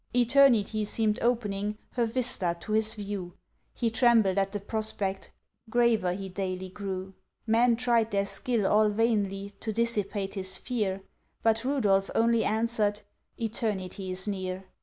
Eternity seemed opening Her vista to his view, He trembled at the prospect, Graver he daily grew. Men tried their skill all vainly To dissipate his fear; But Rudolph only answered— "Eternity is near!